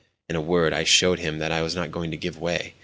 In a word, I showed him that I was not going to give way.